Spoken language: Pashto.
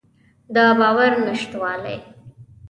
د باور نشتوالی.